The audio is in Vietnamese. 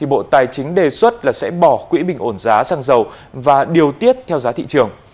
bộ tài chính đề xuất sẽ bỏ quỹ bình ổn giá sang giàu và điều tiết theo giá thị trường